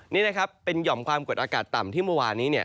นี่นะครับเป็นหย่อมความกดอากาศต่ำที่เมื่อวานนี้เนี่ย